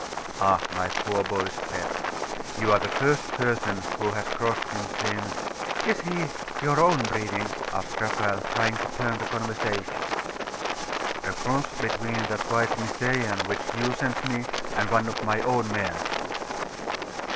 'Ah, my poor boy's pet!.... You are the first person who has crossed him since ' 'Is he of your own breeding?' asked Raphael, trying to turn the conversation. 'A cross between that white Nisaean which you sent me, and one of my own mares.